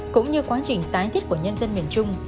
cũng như quá trình tái thiết của nhân dân miền trung